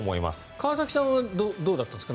川崎さんどうだったんですか？